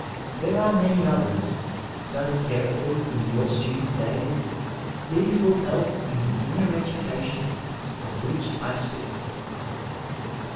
There are many others ; studied carefully in your student days these will help in the inner education of which I speak.